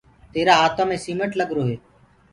تيرآ هآتو مي سيمٽ لگرو هي۔